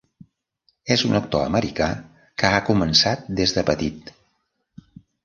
És un actor americà que ha començat des de petit.